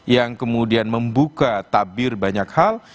yang kemudian membuka tabir banyak hal